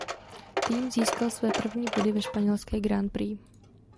Tým získal své první body ve španělské Grand Prix.